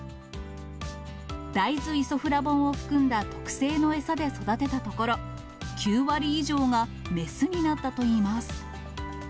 大豆イソフラボンを含んだ特製の餌で育てたところ、９割以上が雌になったといいます。